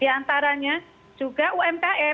di antaranya juga umkm